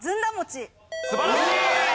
素晴らしい！